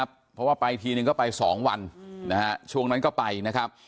เพราะว่าไปทีนึงก็ไป๒วันช่วงนั้นก็ไปนะครับ